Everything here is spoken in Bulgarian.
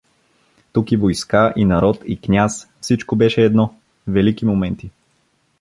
Тук и войска, и народ, и княз — всичко беше едно… Велики моменти!